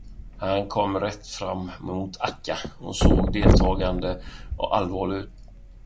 Han kom rätt fram mot Akka och såg deltagande och allvarlig ut.